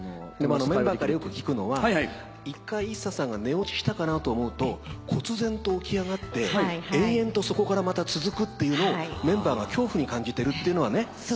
でもメンバーからよく聞くのは一回ＩＳＳＡさんが寝落ちしたかなと思うとこつぜんと起き上がって延々とそこからまた続くっていうのをメンバーが恐怖に感じてるっていうのはね